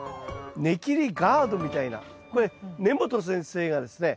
ネキリガードみたいなこれ根本先生がですね